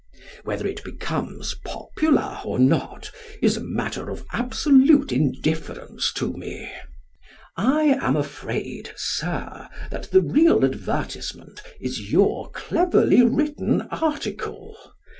Whether it becomes popular or not is a matter of absolute indifference to me. I am afraid, Sir, that the real advertisement is your cleverly written article.